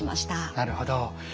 なるほど。